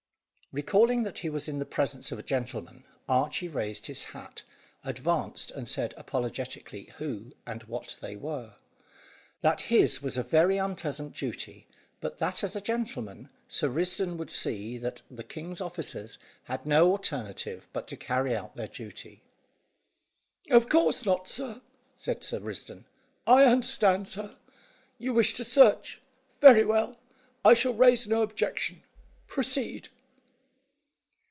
Recalling that he was in the presence of a gentleman, Archy raised his hat, advanced and said, apologetically, who and what they were. That his was a very unpleasant duty, but that as a gentleman, Sir Risdon would see that the king's officers had no alternative but to carry out their duty. "Of course not, sir," said Sir Risdon. "I understand, sir, you wish to search. Very well, I shall raise no objection. Proceed."